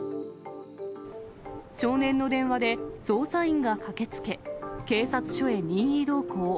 少年の電話で捜査員が駆けつけ、警察署へ任意同行。